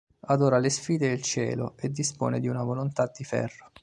Adora le sfide e il cielo e dispone di una volontà di ferro.